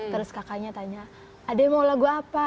terus kak kaniar tanya adek mau lagu apa